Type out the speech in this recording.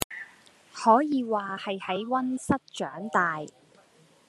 可以話係喺溫室長大⠀